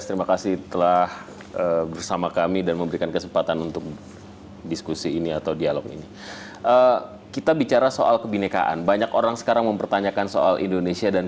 demokrasi yang baik adalah selasuh demokrasi yang amai demokrasi yang bertanggung jawab dan juga yang bersifat rahasia dan bersih